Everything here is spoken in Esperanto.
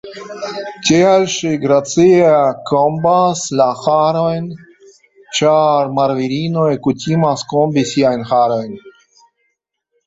Tial ŝi gracie kombas la harojn, ĉar marvirinoj kutimas kombi siajn harojn